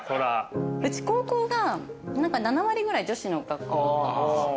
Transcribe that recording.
うち高校が７割ぐらい女子の学校。